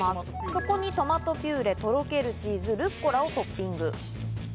そこにトマトピューレ、とろけるチーズ、ルッコラをトッピング。